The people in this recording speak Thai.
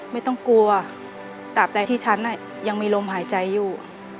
ไม่ต้องกลัวตามใดที่ฉันยังมีลมหายใจอยู่